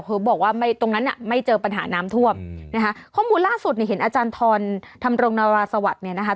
เผื่อบอกว่าตรงนั้นไม่เจอปัญหาน้ำท่วมข้อมูลล่าสุดเห็นอาจารย์ธรธรรมรงวาสวรรค์เนี่ยนะคะ